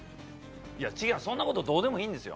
いや、違う、そんなこと、どうでもいいんですよ。